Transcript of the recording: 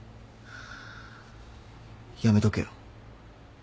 やめとけよ。